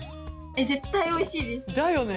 絶対おいしいです。だよね！